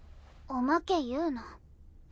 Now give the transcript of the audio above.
おまけ言うな。